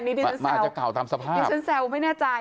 นี่ดิฉันแซวอาจจะกล่าวตามสภาพแต่ฉันแซวไม่แน่ใจ